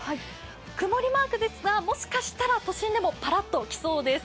曇りマークですが、もしかしたら都心でもぱらっときそうです。